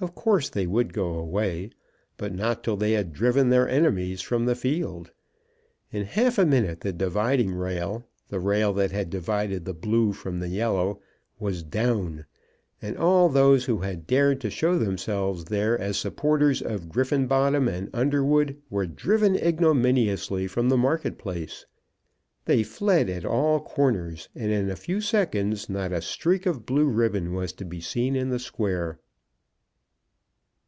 Of course they would go away; but not till they had driven their enemies from the field. In half a minute the dividing rail, the rail that had divided the blue from the yellow, was down, and all those who had dared to show themselves there as supporters of Griffenbottom and Underwood were driven ignominiously from the market place. They fled at all corners, and in a few seconds not a streak of blue ribbon was to be seen in the square.